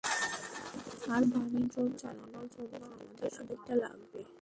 আর বানি ড্রোন চালানোর জন্য আমাদের শুধু একটা লাগবে।